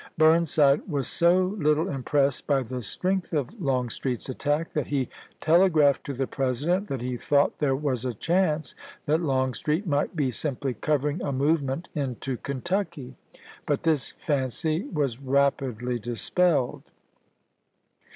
Burnside was so little impressed by the strength of Longstreet's attack that he telegraphed to the President that he thought there was a chance that Longstreet might be simply covering a movement into Kentucky; but this fancy was rapidly dispelled.